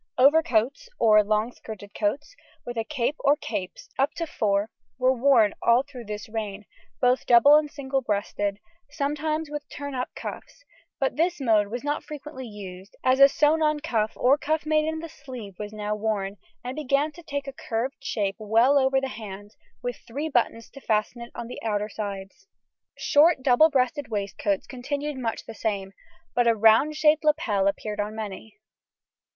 Overcoats (or long skirted coats) with a cape or capes, up to four, were worn all through this reign, both double and single breasted, sometimes with turn up cuffs; but this mode was not frequently used, as a sewn on cuff or cuff made in the sleeve was now worn, and began to take a curved shape well over the hand, with three buttons to fasten it on the outer sides. Short double breasted waistcoats continued much the same, but a round shaped lapel appeared on many.